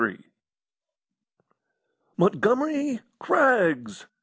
III "Montgomery Craggs!"